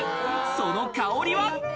その香りは。